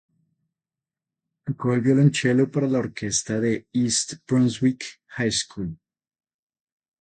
Tocó el violonchelo para la orquesta de East Brunswick High School.